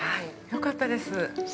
◆よかったです。